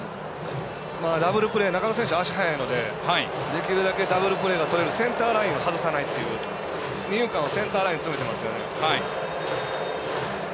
中野選手、足が速いのでできるだけダブルプレーがとれるセンターラインを外さないという二遊間、センターライン詰めてますよね。